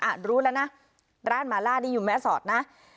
รู้แล้วนะร้านหมาล่านี่อยู่แม่สอดนะ